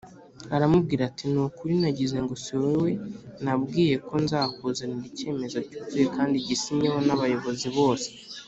aramubwira ati Ni ukuri nagize ngo siwowe nabwiye ko nzakuzanira icyemezo cyuzuye kandi gisinyeho n’abayobozi bose.